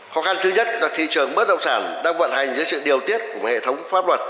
khó khăn thứ nhất là thị trường bất động sản đang vận hành dưới sự điều tiết của hệ thống pháp luật